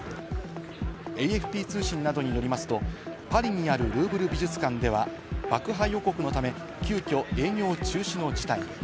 ＡＦＰ通信などによると、パリにあるルーヴル美術館では、爆破予告のため、急きょ営業中止の事態に。